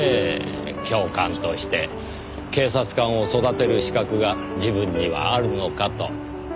教官として警察官を育てる資格が自分にはあるのかと。